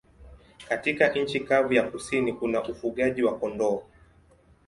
Katika nchi kavu ya kusini kuna ufugaji wa kondoo.